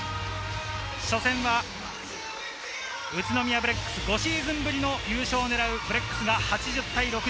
初戦は宇都宮ブレックス、５シーズンぶりの優勝を狙うブレックスが８０対６１。